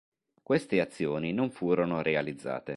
Queste azioni non furono realizzate.